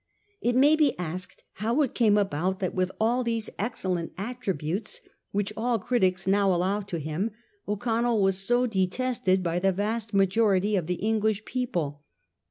It may be asked how it came about that with all these excellent attributes, which all critics now allow to him, O'Connell was so detested by the vast majo rity of the English people.